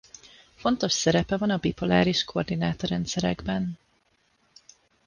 Fontos szerepe van a bipoláris koordináta-rendszerekben.